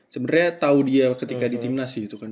sebenernya tau dia ketika di tim nas gitu kan